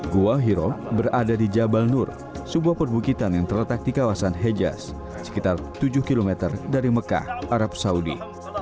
gua hiro berada di jabal nur sebuah perbukitan yang terletak di kawasan hejas sekitar tujuh km dari mekah arab saudi